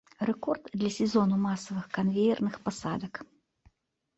Рэкорд для сезону масавых канвеерных пасадак.